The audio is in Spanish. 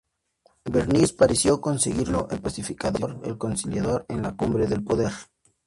Bernis pareció conseguirlo: el pacificador, el conciliador, en la cumbre del poder.